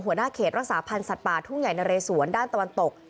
หัวหน้าเขตรักษาพันธ์สัตว์ป่าทุ่งใหญ่นะเรสวนด้านตะวันตก